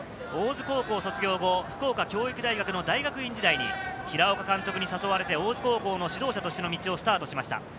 大津高校卒業後、福岡教育大学の大学院時代に平岡監督に誘われて大津高校の指導者としての道をスタートしました。